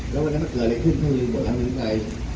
แล้วมันก็จะเกิดอะไรขึ้นถ้าลืมหมดแล้วลืมอะไร